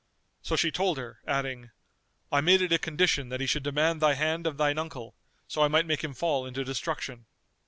So she told her, adding, "I made it a condition that he should demand thy hand of thine uncle, so I might make him fall into destruction."